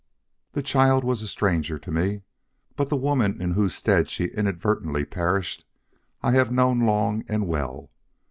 "The child was a stranger to me, but the woman in whose stead she inadvertently perished I had known long and well.